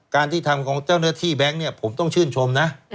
การที่ทำของเจ้าเนื้อที่แบงก์ผมต้องชื่นชมนะ